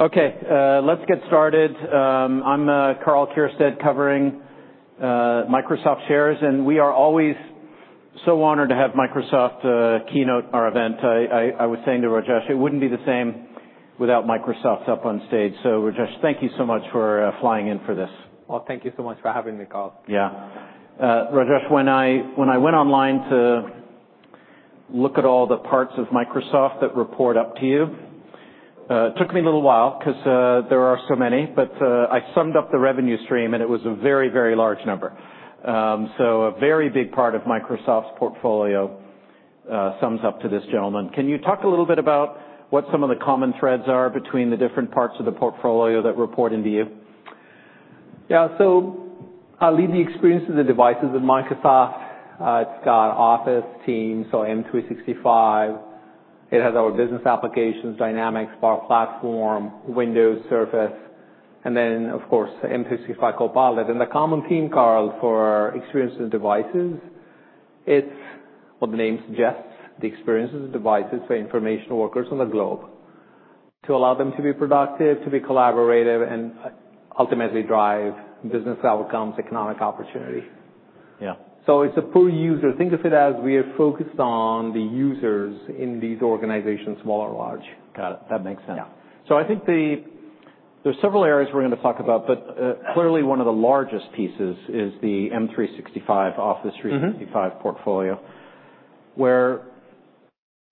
Okay, let's get started. I'm Karl Keirstead covering Microsoft shares, and we are always so honored to have Microsoft keynote our event. I was saying to Rajesh, it wouldn't be the same without Microsoft up on stage. So, Rajesh, thank you so much for flying in for this. Oh, thank you so much for having me, Karl. Yeah. Rajesh, when I, when I went online to look at all the parts of Microsoft that report up to you, it took me a little while 'cause there are so many, but I summed up the revenue stream, and it was a very, very large number. So a very big part of Microsoft's portfolio sums up to this gentleman. Can you talk a little bit about what some of the common threads are between the different parts of the portfolio that report into you? Yeah, so I lead Experiences and Devices at Microsoft. It's got Office, Teams, and M365. It has our business applications, Dynamics, Power Platform, Windows, Surface, and then, of course, M365 Copilot. And the common theme, Karl, for Experiences and Devices, it's, well, the name suggests, the experiences and devices for information workers on the globe to allow them to be productive, to be collaborative, and ultimately drive business outcomes, economic opportunity. Yeah. So it's a per user. Think of it as we are focused on the users in these organizations, small or large. Got it. That makes sense. Yeah. So I think there's several areas we're gonna talk about, but clearly one of the largest pieces is the M365, Office 365 portfolio, where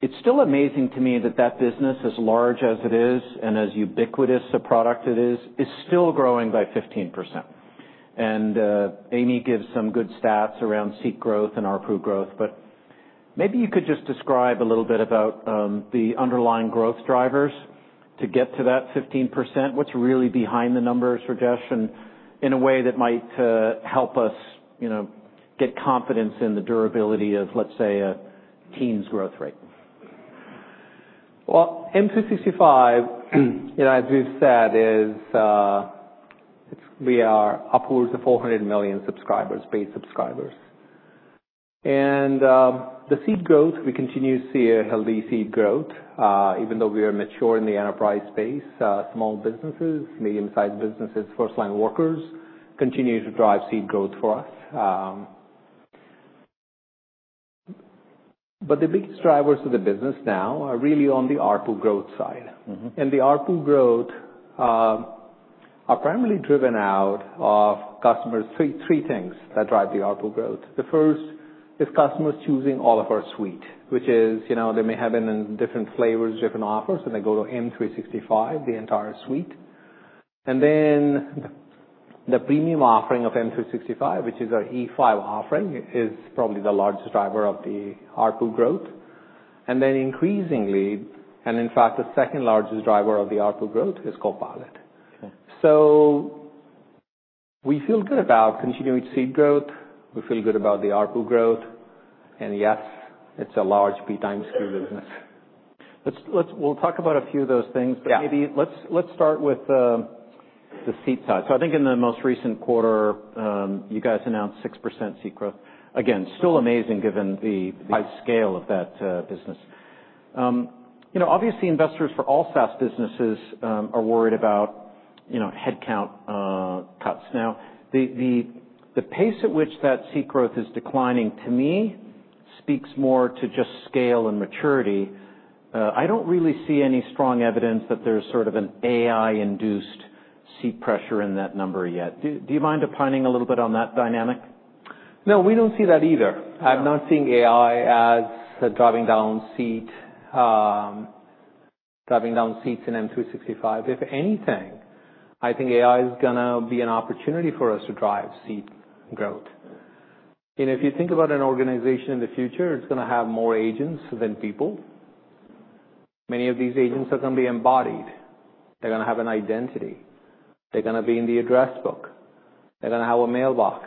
it's still amazing to me that that business, as large as it is and as ubiquitous a product it is, is still growing by 15%. And Amy gives some good stats around seat growth and our ARPU growth, but maybe you could just describe a little bit about the underlying growth drivers to get to that 15%. What's really behind the numbers, Rajesh, and in a way that might help us, you know, get confidence in the durability of, let's say, a Teams' growth rate? M365, you know, as we've said, is. It's we are upwards of 400 million paid subscribers. The seat growth, we continue to see a healthy seat growth, even though we are mature in the enterprise space. Small businesses, medium-sized businesses, frontline workers continue to drive seat growth for us, but the biggest drivers of the business now are really on the ARPU growth side. Mm-hmm. The ARPU growth is primarily driven by three things that drive the ARPU growth. The first is customers choosing all of our suite, which is, you know, they may have it in different flavors, different offers, and they go to M365, the entire suite. Then the premium offering of M365, which is our E5 offering, is probably the largest driver of the ARPU growth. Then increasingly, and in fact, the second largest driver of the ARPU growth is Copilot. Okay. So we feel good about continuing seat growth. We feel good about the ARPU growth. And yes, it's a large P times Q business. We'll talk about a few of those things. Yeah. But maybe let's start with the seat side. So I think in the most recent quarter, you guys announced 6% seat growth. Again, still amazing given the high scale of that business. You know, obviously investors for all SaaS businesses are worried about, you know, headcount cuts. Now, the pace at which that seat growth is declining, to me, speaks more to just scale and maturity. I don't really see any strong evidence that there's sort of an AI-induced seat pressure in that number yet. Do you mind opining a little bit on that dynamic? No, we don't see that either. I'm not seeing AI as driving down seats in M365. If anything, I think AI is gonna be an opportunity for us to drive seat growth. And if you think about an organization in the future, it's gonna have more agents than people. Many of these agents are gonna be embodied. They're gonna have an identity. They're gonna be in the address book. They're gonna have a mailbox.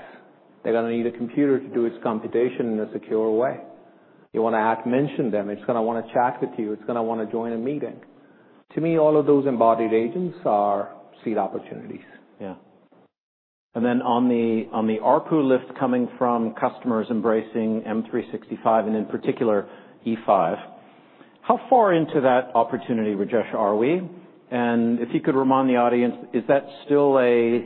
They're gonna need a computer to do its computation in a secure way. You wanna add mention them. It's gonna wanna chat with you. It's gonna wanna join a meeting. To me, all of those embodied agents are seat opportunities. Yeah. And then on the ARPU lift coming from customers embracing M365 and in particular E5, how far into that opportunity, Rajesh, are we? And if you could remind the audience, is that still a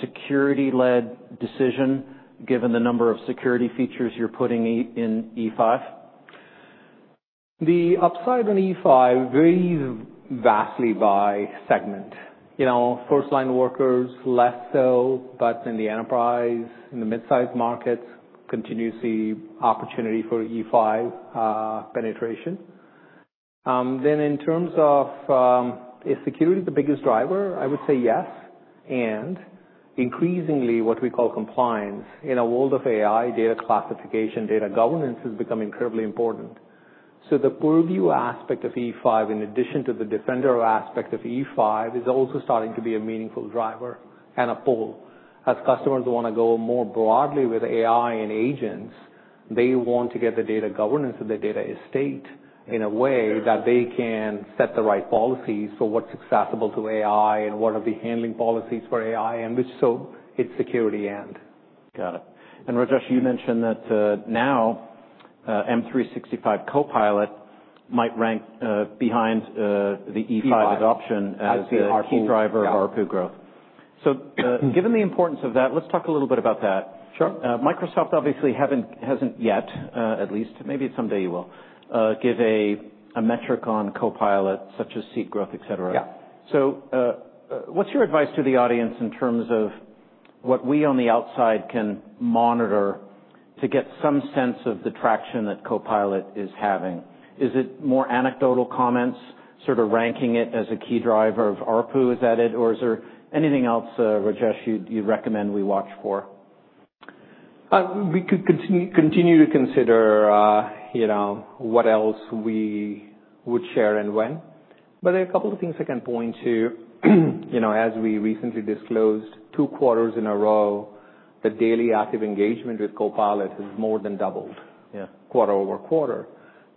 security-led decision given the number of security features you're putting in E5? The upside on E5 varies vastly by segment. You know, frontline workers, less so, but in the enterprise, in the mid-sized markets, continue to see opportunity for E5 penetration, then in terms of, is security the biggest driver? I would say yes, and increasingly, what we call compliance in a world of AI, data classification, data governance has become incredibly important, so the Purview aspect of E5, in addition to the Defender aspect of E5, is also starting to be a meaningful driver and a pull. As customers wanna go more broadly with AI and agents, they want to get the data governance and the data estate in a way that they can set the right policies for what's accessible to AI and what are the handling policies for AI and which so its security end. Got it. And Rajesh, you mentioned that now M365 Copilot might rank behind the E5 adoption as the. E5. Key driver of ARPU growth. So, given the importance of that, let's talk a little bit about that. Sure. Microsoft obviously hasn't yet, at least, maybe someday you will give a metric on Copilot such as seat growth, etc. Yeah. So, what's your advice to the audience in terms of what we on the outside can monitor to get some sense of the traction that Copilot is having? Is it more anecdotal comments, sort of ranking it as a key driver of ARPU, is that it? Or is there anything else, Rajesh, you recommend we watch for? We could continue to consider, you know, what else we would share and when. But there are a couple of things I can point to. You know, as we recently disclosed, two quarters in a row, the daily active engagement with Copilot has more than doubled. Yeah. Quarter over quarter.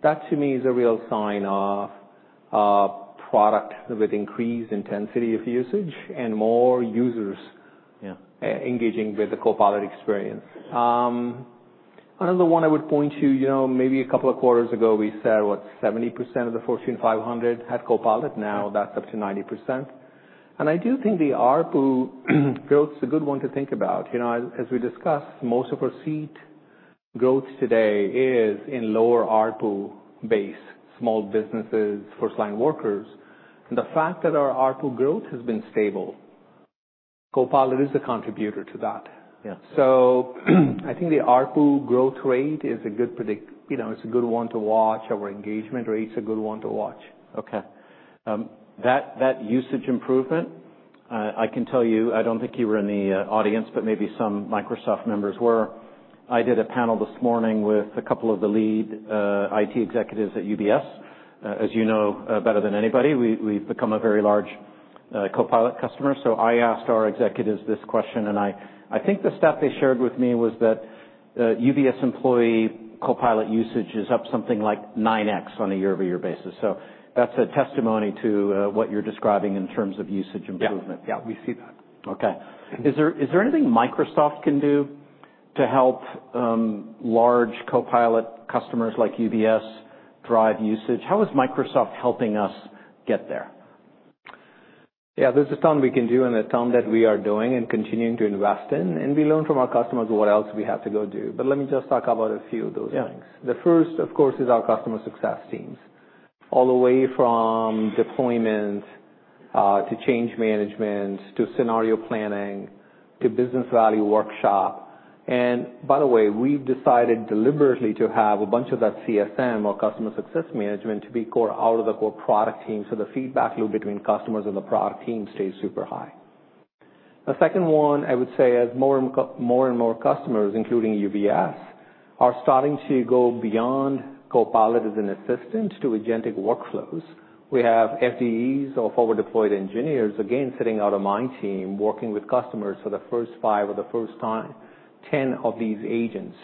That, to me, is a real sign of product with increased intensity of usage and more users. Yeah. Engaging with the Copilot experience. Another one I would point to, you know, maybe a couple of quarters ago, we said, what, 70% of the Fortune 500 had Copilot. Now that's up to 90%. And I do think the ARPU growth's a good one to think about. You know, as we discussed, most of our seat growth today is in lower ARPU base, small businesses, frontline workers. And the fact that our ARPU growth has been stable, Copilot is a contributor to that. Yeah. So I think the ARPU growth rate is a good predictor, you know. It's a good one to watch. Our engagement rate's a good one to watch. Okay. That usage improvement, I can tell you, I don't think you were in the audience, but maybe some Microsoft members were. I did a panel this morning with a couple of the lead IT executives at UBS. As you know, better than anybody, we've become a very large Copilot customer. So I asked our executives this question, and I think the stat they shared with me was that UBS employee Copilot usage is up something like 9X on a year-over-year basis. So that's a testimony to what you're describing in terms of usage improvement. Yeah. Yeah, we see that. Okay. Is there anything Microsoft can do to help large Copilot customers like UBS drive usage? How is Microsoft helping us get there? Yeah, there's a ton we can do and a ton that we are doing and continuing to invest in. And we learn from our customers what else we have to go do. But let me just talk about a few of those things. Yeah. The first, of course, is our customer success teams, all the way from deployment, to change management, to scenario planning, to business value workshop. And by the way, we've decided deliberately to have a bunch of that CSM, our customer success management, to be core out of the core product team. So the feedback loop between customers and the product team stays super high. The second one, I would say, as more and more customers, including UBS, are starting to go beyond Copilot as an assistant to agentic workflows. We have FDEs or forward-deployed engineers, again, sitting out of my team, working with customers for the first 5 or the first 10 of these agents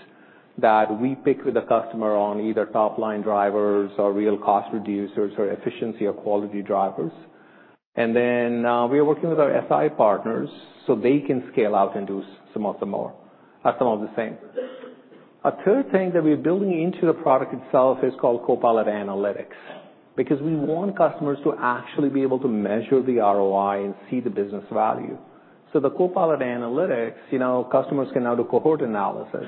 that we pick with the customer on either top-line drivers or real cost reducers or efficiency or quality drivers. Then, we are working with our SI partners so they can scale out and do some of the same. A third thing that we're building into the product itself is called Copilot Analytics because we want customers to actually be able to measure the ROI and see the business value. So the Copilot Analytics, you know, customers can now do cohort analysis.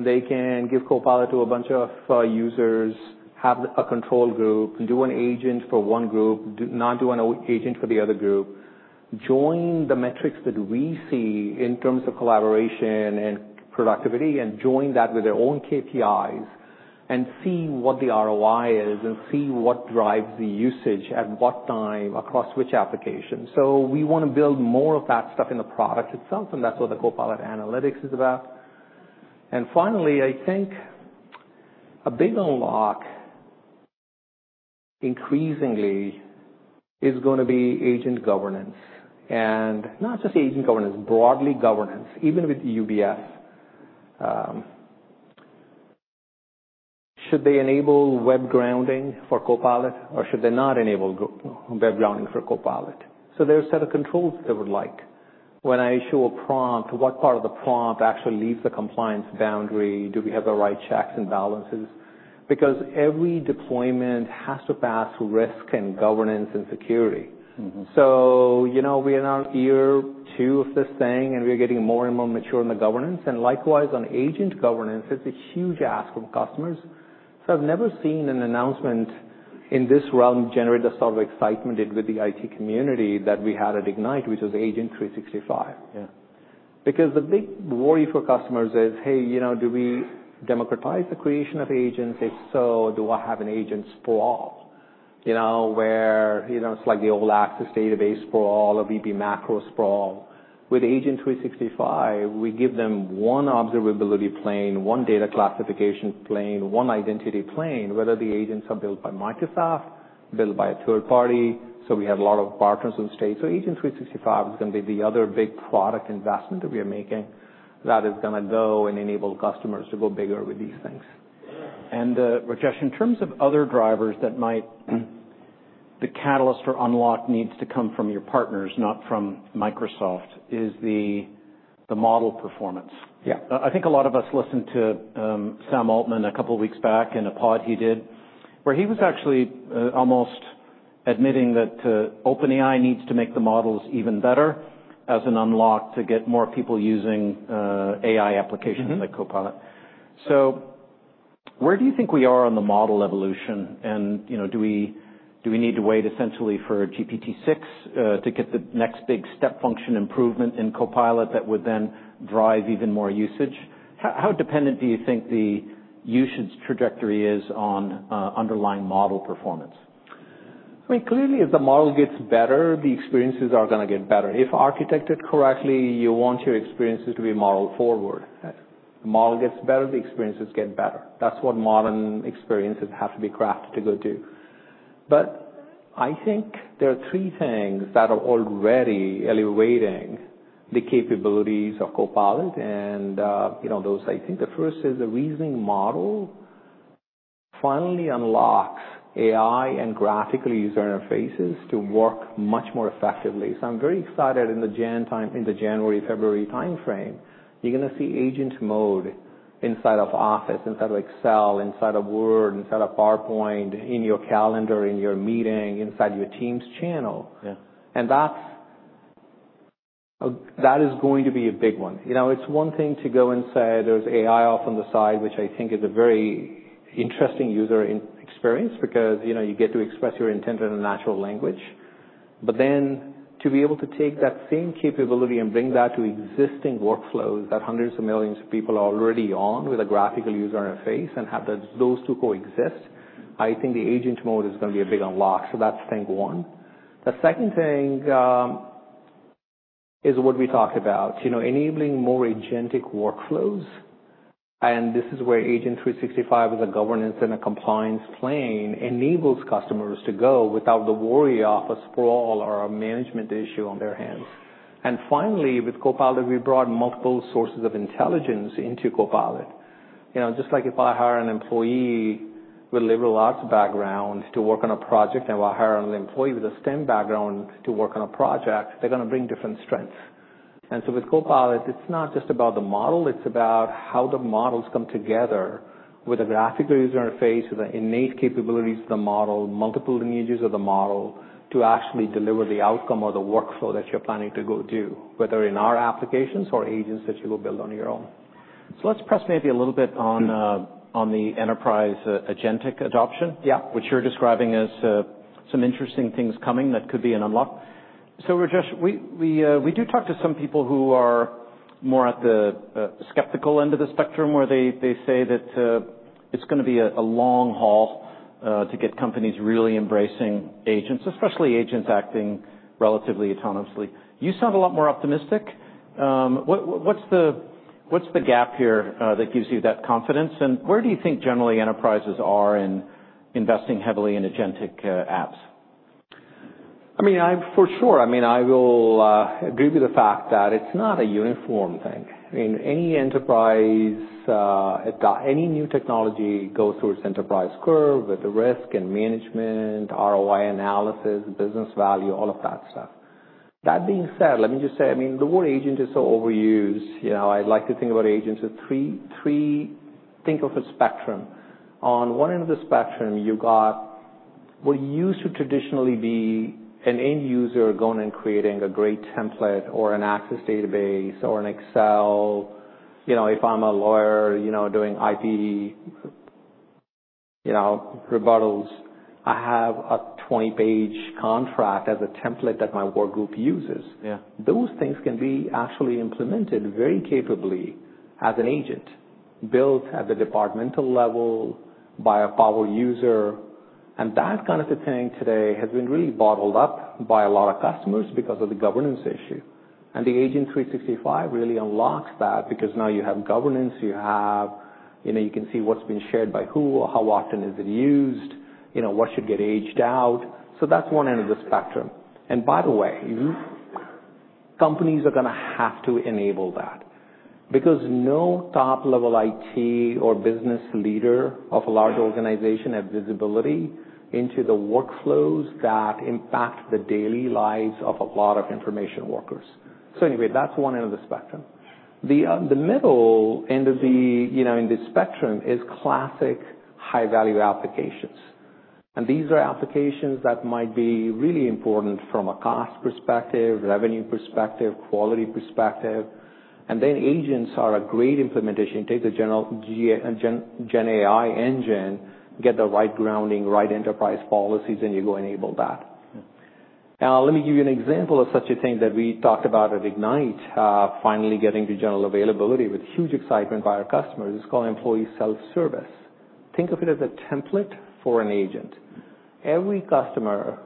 They can give Copilot to a bunch of users, have a control group, do an agent for one group, do not do an agent for the other group, join the metrics that we see in terms of collaboration and productivity, and join that with their own KPIs and see what the ROI is and see what drives the usage at what time across which application. So we wanna build more of that stuff in the product itself, and that's what the Copilot Analytics is about. And finally, I think a big unlock increasingly is gonna be agent governance. And not just agent governance, broadly governance, even with UBS, should they enable web grounding for Copilot, or should they not enable web grounding for Copilot? So there's a set of controls that we'd like. When I issue a prompt, what part of the prompt actually leaves the compliance boundary? Do we have the right checks and balances? Because every deployment has to pass risk and governance and security. Mm-hmm. So, you know, we're in our year two of this thing, and we're getting more and more mature in the governance. And likewise, on agent governance, it's a huge ask from customers. So I've never seen an announcement in this realm generate the sort of excitement it did with the IT community that we had at Ignite, which was Agent 365. Yeah. Because the big worry for customers is, "Hey, you know, do we democratize the creation of agents? If so, do I have an agent sprawl?" You know, where, you know, it's like the old Access database sprawl or VBA macro sprawl. With Agent 365, we give them one observability plane, one data classification plane, one identity plane, whether the agents are built by Microsoft, built by a third party. So we have a lot of partners in the space. So Agent 365 is gonna be the other big product investment that we are making that is gonna go and enable customers to go bigger with these things. Rajesh, in terms of other drivers that might be the catalyst or unlock needs to come from your partners, not from Microsoft, is the model performance? Yeah. I think a lot of us listened to Sam Altman a couple of weeks back in a pod he did, where he was actually almost admitting that OpenAI needs to make the models even better as an unlock to get more people using AI applications like Copilot. Mm-hmm. So where do you think we are on the model evolution? You know, do we need to wait essentially for GPT-6 to get the next big step function improvement in Copilot that would then drive even more usage? How dependent do you think the usage trajectory is on underlying model performance? I mean, clearly, if the model gets better, the experiences are gonna get better. If architected correctly, you want your experiences to be modeled forward. The model gets better, the experiences get better. That's what modern experiences have to be crafted to go do. But I think there are three things that are already elevating the capabilities of Copilot and, you know, those I think the first is the reasoning model finally unlocks AI and graphical user interfaces to work much more effectively. So I'm very excited in the January time in the January, February timeframe, you're gonna see agent mode inside of Office, inside of Excel, inside of Word, inside of PowerPoint, in your calendar, in your meeting, inside your Teams channel. Yeah. And that's, that is going to be a big one. You know, it's one thing to go and say there's AI off on the side, which I think is a very interesting user experience because, you know, you get to express your intent in a natural language. But then to be able to take that same capability and bring that to existing workflows that hundreds of millions of people are already on with a graphical user interface and have those two coexist, I think the agent mode is gonna be a big unlock. So that's thing one. The second thing is what we talked about, you know, enabling more agentic workflows. And this is where Agent 365 with a governance and a compliance plane enables customers to go without the worry of a sprawl or a management issue on their hands. And finally, with Copilot, we brought multiple sources of intelligence into Copilot. You know, just like if I hire an employee with a liberal arts background to work on a project and if I hire an employee with a STEM background to work on a project, they're gonna bring different strengths. And so with Copilot, it's not just about the model. It's about how the models come together with a graphical user interface, with the innate capabilities of the model, multiple lineages of the model to actually deliver the outcome or the workflow that you're planning to go do, whether in our applications or agents that you will build on your own. So let's press maybe a little bit on, on the enterprise agentic adoption. Yeah. Which you're describing as some interesting things coming that could be an unlock. So Rajesh, we do talk to some people who are more at the skeptical end of the spectrum where they say that it's gonna be a long haul to get companies really embracing agents, especially agents acting relatively autonomously. You sound a lot more optimistic. What's the gap here that gives you that confidence? And where do you think generally enterprises are in investing heavily in agentic apps? I mean, I'm for sure. I mean, I will agree with the fact that it's not a uniform thing. I mean, any enterprise adopting any new technology goes through its adoption curve with the risk and management, ROI analysis, business value, all of that stuff. That being said, let me just say, I mean, the word agent is so overused. You know, I like to think about agents as three. Think of a spectrum. On one end of the spectrum, you've got what used to traditionally be an end user going and creating a great template or an Access database or an Excel. You know, if I'm a lawyer, you know, doing IP, you know, rebuttals, I have a 20-page contract as a template that my work group uses. Yeah. Those things can be actually implemented very capably as an agent built at the departmental level by a power user, and that kind of a thing today has been really bottled up by a lot of customers because of the governance issue, and the Agent 365 really unlocks that because now you have governance. You have, you know, you can see what's been shared by who, how often is it used, you know, what should get aged out, so that's one end of the spectrum, and by the way, your companies are gonna have to enable that because no top-level IT or business leader of a large organization has visibility into the workflows that impact the daily lives of a lot of information workers, so anyway, that's one end of the spectrum. The middle end of the, you know, in the spectrum is classic high-value applications. And these are applications that might be really important from a cost perspective, revenue perspective, quality perspective. And then agents are a great implementation. You take the general Gen AI engine, get the right grounding, right enterprise policies, and you go enable that. Yeah. Now, let me give you an example of such a thing that we talked about at Ignite, finally getting to general availability with huge excitement by our customers. It's called Employee Self-Service. Think of it as a template for an agent. Every customer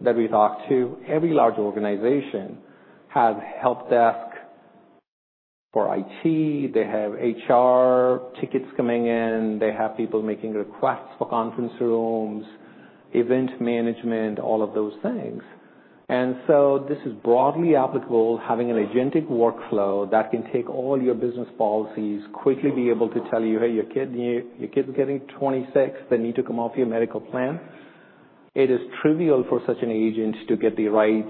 that we talk to, every large organization has help desk for IT. They have HR tickets coming in. They have people making requests for conference rooms, event management, all of those things. And so this is broadly applicable, having an agentic workflow that can take all your business policies, quickly be able to tell you, "Hey, your kid, your kid's getting 26. They need to come off your medical plan." It is trivial for such an agent to get the right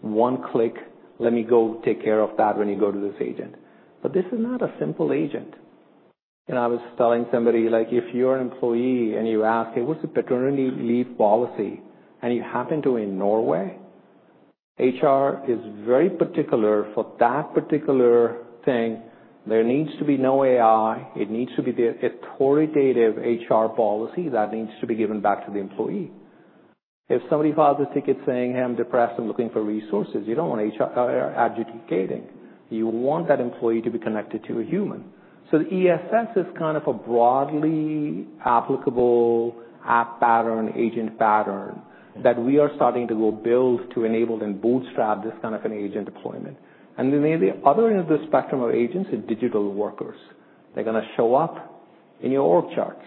one-click, "Let me go take care of that when you go to this agent." But this is not a simple agent. You know, I was telling somebody, like, if you're an employee and you ask, "Hey, what's the paternity leave policy?" and you happen to be in Norway, HR is very particular for that particular thing. There needs to be no AI. It needs to be the authoritative HR policy that needs to be given back to the employee. If somebody files a ticket saying, "Hey, I'm depressed. I'm looking for resources," you don't want HR adjudicating. You want that employee to be connected to a human. So the ESS is kind of a broadly applicable app pattern, agent pattern that we are starting to go build to enable and bootstrap this kind of an agent deployment. And then the other end of the spectrum of agents is digital workers. They're gonna show up in your org charts.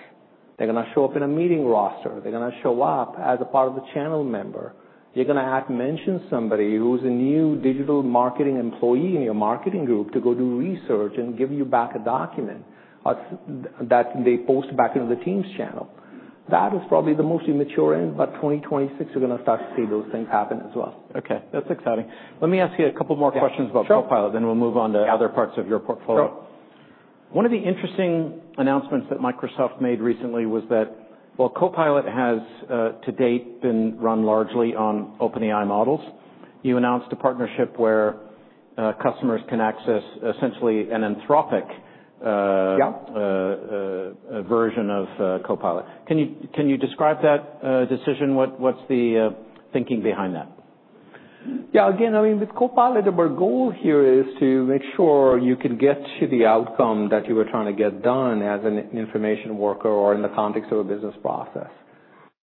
They're gonna show up in a meeting roster. They're gonna show up as a part of the channel member. You're gonna have to mention somebody who's a new digital marketing employee in your marketing group to go do research and give you back a document that they post back into the Teams channel. That is probably the most immature end, but 2026, we're gonna start to see those things happen as well. Okay. That's exciting. Let me ask you a couple more questions about Copilot, then we'll move on to other parts of your portfolio. Sure. One of the interesting announcements that Microsoft made recently was that, well, Copilot has, to date, been run largely on OpenAI models. You announced a partnership where, customers can access essentially an Anthropic, Yeah. version of Copilot. Can you describe that decision? What's the thinking behind that? Yeah. Again, I mean, with Copilot, our goal here is to make sure you can get to the outcome that you were trying to get done as an information worker or in the context of a business process.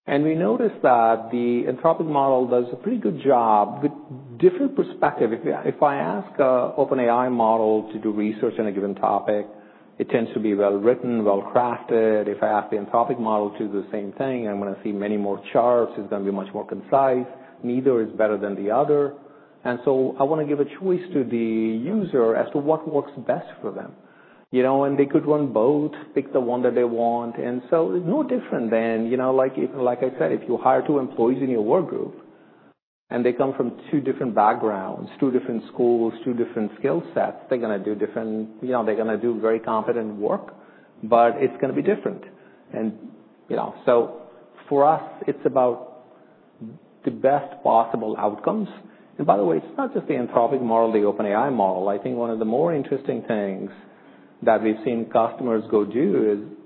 And we noticed that the Anthropic model does a pretty good job with different perspective. If I ask an OpenAI model to do research on a given topic, it tends to be well-written, well-crafted. If I ask the Anthropic model to do the same thing, I'm gonna see many more charts. It's gonna be much more concise. Neither is better than the other. And so I wanna give a choice to the user as to what works best for them. You know, and they could run both, pick the one that they want. And so it's no different than, you know, like, like I said, if you hire two employees in your work group and they come from two different backgrounds, two different skill sets, they're gonna do different, you know, they're gonna do very competent work, but it's gonna be different. And, you know, so for us, it's about the best possible outcomes. And by the way, it's not just the Anthropic model, the OpenAI model. I think one of the more interesting things that we've seen customers go do is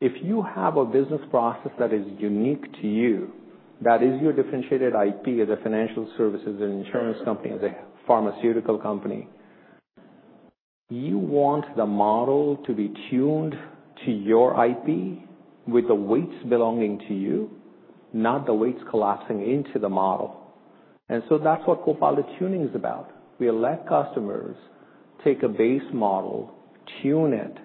if you have a business process that is unique to you, that is your differentiated IP as a financial services and insurance company, as a pharmaceutical company, you want the model to be tuned to your IP with the weights belonging to you, not the weights collapsing into the model. And so that's what Copilot Tuning is about. We let customers take a base model, tune it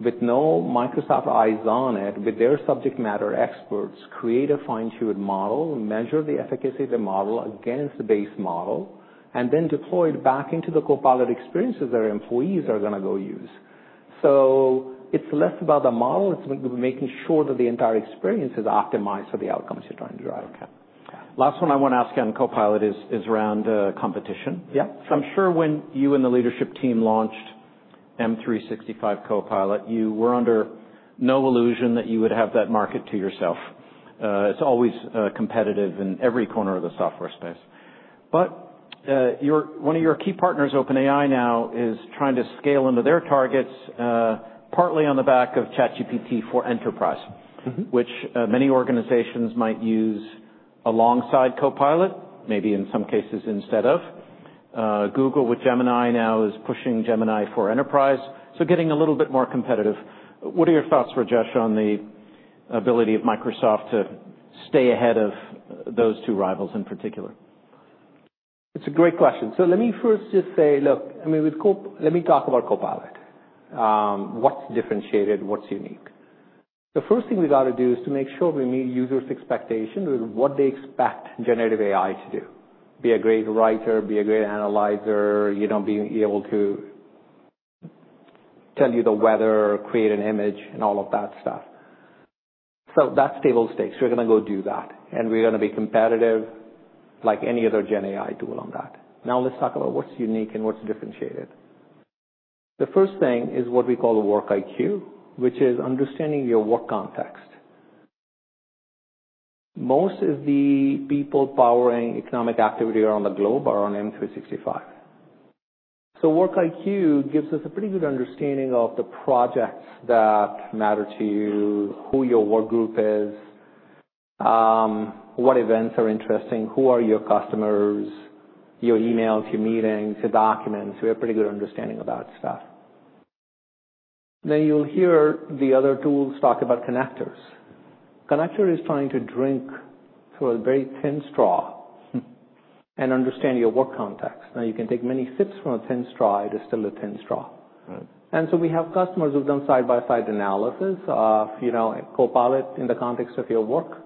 with no Microsoft eyes on it, with their subject matter experts, create a fine-tuned model, measure the efficacy of the model against the base model, and then deploy it back into the Copilot experiences that our employees are gonna go use. So it's less about the model. It's making sure that the entire experience is optimized for the outcomes you're trying to drive. Okay. Last one I wanna ask you on Copilot is around competition. Yeah. So I'm sure when you and the leadership team launched M365 Copilot, you were under no illusion that you would have that market to yourself. It's always competitive in every corner of the software space. But one of your key partners, OpenAI now, is trying to scale into their targets, partly on the back of ChatGPT Enterprise. Mm-hmm. Which many organizations might use alongside Copilot, maybe in some cases instead of. Google with Gemini now is pushing Gemini for Enterprise. So getting a little bit more competitive. What are your thoughts, Rajesh, on the ability of Microsoft to stay ahead of those two rivals in particular? It's a great question. So let me first just say, look, I mean, with Copilot, let me talk about Copilot. What's differentiated, what's unique? The first thing we gotta do is to make sure we meet users' expectations with what they expect generative AI to do: be a great writer, be a great analyzer, you know, be able to tell you the weather, create an image, and all of that stuff. So that's table stakes. We're gonna go do that. And we're gonna be competitive like any other Gen AI tool on that. Now let's talk about what's unique and what's differentiated. The first thing is what we call Work IQ, which is understanding your work context. Most of the people powering economic activity around the globe are on M365. So Work IQ gives us a pretty good understanding of the projects that matter to you, who your work group is, what events are interesting, who are your customers, your emails, your meetings, your documents. We have a pretty good understanding of that stuff. Then you'll hear the other tools talk about connectors. Connector is trying to drink through a very thin straw and understand your work context. Now you can take many sips from a thin straw to still a thin straw. Right. And so we have customers who've done side-by-side analysis of, you know, Copilot in the context of your work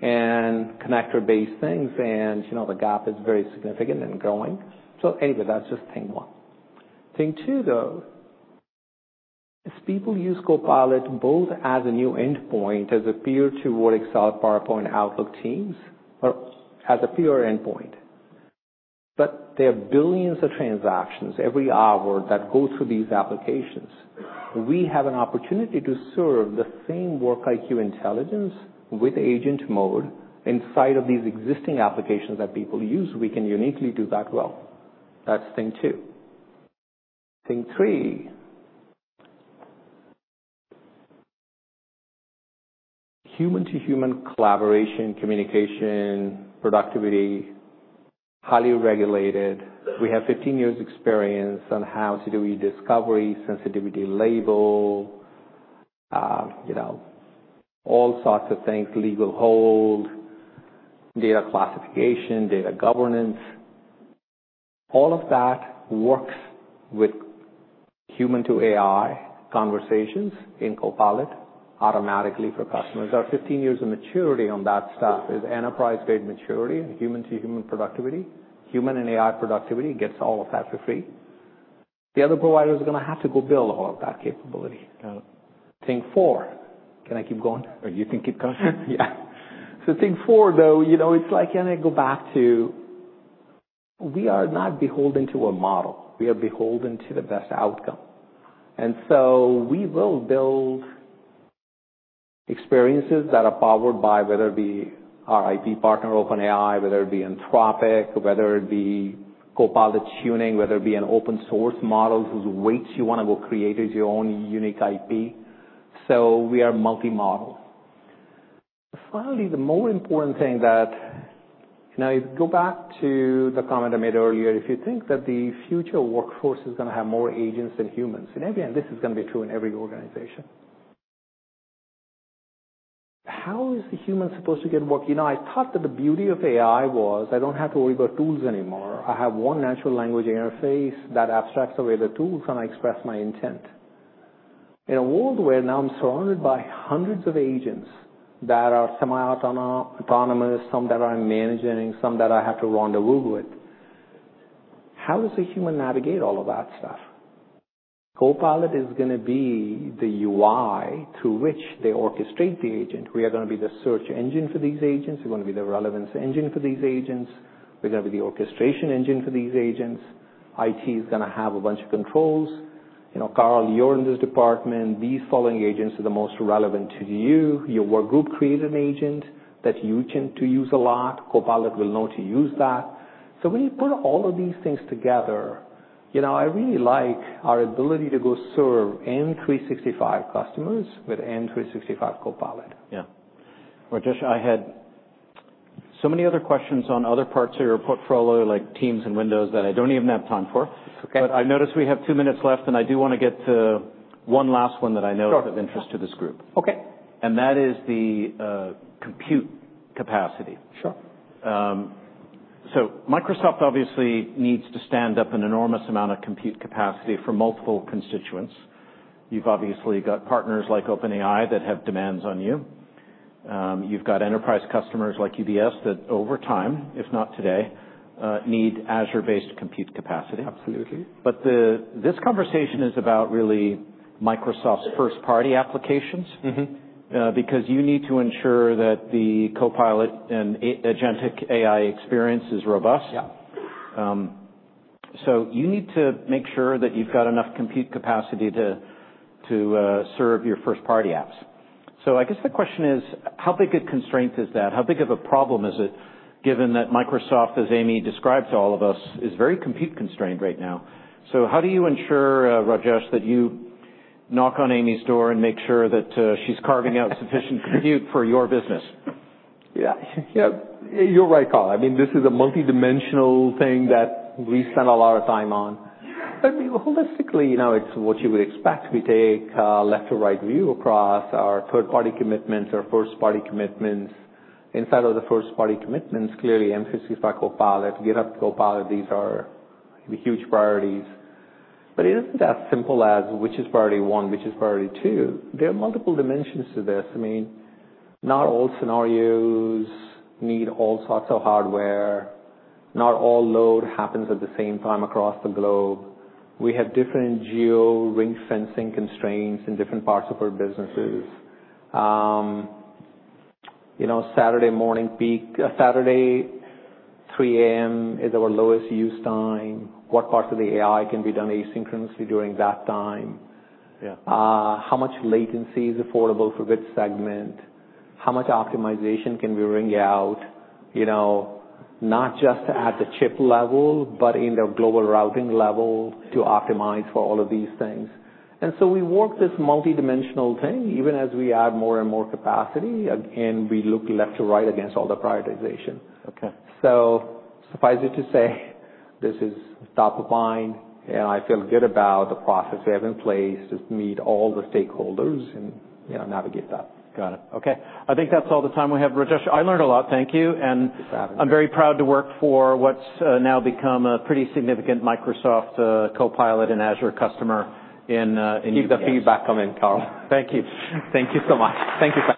and connector-based things. And, you know, the gap is very significant and growing. So anyway, that's just thing one. Thing two, though, is people use Copilot both as a new endpoint, as a peer toward Excel, PowerPoint, Outlook, Teams, or as a peer endpoint. But there are billions of transactions every hour that go through these applications. We have an opportunity to serve the same work IQ intelligence with agent mode inside of these existing applications that people use. We can uniquely do that well. That's thing two. Thing three, human-to-human collaboration, communication, productivity, highly regulated. We have 15 years' experience on how to do e-discovery, sensitivity label, you know, all sorts of things, legal hold, data classification, data governance. All of that works with human-to-AI conversations in Copilot automatically for customers. Our 15 years of maturity on that stuff is enterprise-grade maturity and human-to-human productivity. Human and AI productivity gets all of that for free. The other providers are gonna have to go build all of that capability. Got it. Thing four. Can I keep going? Or you can keep going. Yeah. So thing four, though, you know, it's like, can I go back to we are not beholden to a model. We are beholden to the best outcome. And so we will build experiences that are powered by whether it be our IP partner, OpenAI, whether it be Anthropic, whether it be Copilot tuning, whether it be an open-source model whose weights you wanna go create as your own unique IP. So we are multi-model. Finally, the more important thing that, you know, if you go back to the comment I made earlier, if you think that the future workforce is gonna have more agents than humans, in every end, this is gonna be true in every organization. How is the human supposed to get work? You know, I thought that the beauty of AI was I don't have to worry about tools anymore. I have one natural language interface that abstracts away the tools, and I express my intent. In a world where now I'm surrounded by hundreds of agents that are semi-autonomous, some that are managing, some that I have to run the room with, how does a human navigate all of that stuff? Copilot is gonna be the UI through which they orchestrate the agent. We are gonna be the search engine for these agents. We're gonna be the relevance engine for these agents. We're gonna be the orchestration engine for these agents. IT is gonna have a bunch of controls. You know, Karl, you're in this department. These following agents are the most relevant to you. Your work group created an agent that you tend to use a lot. Copilot will know to use that. So when you put all of these things together, you know, I really like our ability to go serve M365 customers with M365 Copilot. Yeah. Rajesh, I had so many other questions on other parts of your portfolio, like Teams and Windows, that I don't even have time for. It's okay. But I noticed we have two minutes left, and I do wanna get to one last one that I know is of interest to this group. Sure. Okay. That is the compute capacity. Sure. So Microsoft obviously needs to stand up an enormous amount of compute capacity for multiple constituents. You've obviously got partners like OpenAI that have demands on you. You've got enterprise customers like UBS that, over time, if not today, need Azure-based compute capacity. Absolutely. But this conversation is about really Microsoft's first-party applications. Mm-hmm. because you need to ensure that the Copilot and agentic AI experience is robust. Yeah. So you need to make sure that you've got enough compute capacity to serve your first-party apps. So I guess the question is, how big a constraint is that? How big of a problem is it, given that Microsoft, as Amy described to all of us, is very compute-constrained right now? So how do you ensure, Rajesh, that you knock on Amy's door and make sure that she's carving out sufficient compute for your business? Yeah. Yeah. You're right, Karl. I mean, this is a multidimensional thing that we spend a lot of time on. I mean, holistically, you know, it's what you would expect. We take left-to-right view across our third-party commitments, our first-party commitments. Inside of the first-party commitments, clearly M365 Copilot, GitHub Copilot, these are huge priorities. But it isn't as simple as which is priority one, which is priority two. There are multiple dimensions to this. I mean, not all scenarios need all sorts of hardware. Not all load happens at the same time across the globe. We have different geo-ring fencing constraints in different parts of our businesses. You know, Saturday morning peak, Saturday 3:00 A.M. is our lowest use time. What parts of the AI can be done asynchronously during that time? Yeah. How much latency is affordable for which segment? How much optimization can we wring out, you know, not just at the chip level, but in the global routing level to optimize for all of these things? And so we work this multidimensional thing. Even as we add more and more capacity, again, we look left-to-right against all the prioritization. Okay. So suffice it to say, this is top of mind, and I feel good about the process we have in place to meet all the stakeholders and, you know, navigate that. Got it. Okay. I think that's all the time we have, Rajesh. I learned a lot. Thank you. And. You're fabulous. I'm very proud to work for what's now become a pretty significant Microsoft Copilot and Azure customer in. Keep the feedback coming, Karl. Thank you. Thank you so much. Thank you so.